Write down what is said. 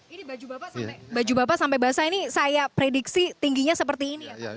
ini baju bapak sampai basah ini saya prediksi tingginya seperti ini ya pak